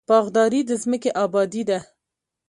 باغداري د ځمکې ابادي ده.